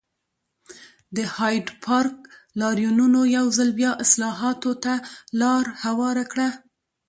د هایډپارک لاریونونو یو ځل بیا اصلاحاتو ته لار هواره کړه.